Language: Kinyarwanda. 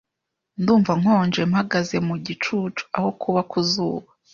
Ndumva nkonje mpagaze mu gicucu, aho kuba ku zuba.